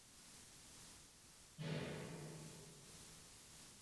Po skončení studií pracoval nějaký čas jako inženýr v maďarské metropoli.